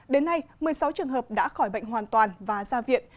đến nay một mươi sáu trường hợp đã khỏi bệnh hoàn toàn và ra viện